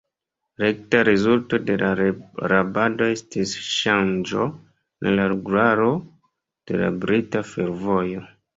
Rekta rezulto de la rabado estis ŝanĝo en la regularo de la brita fervojo.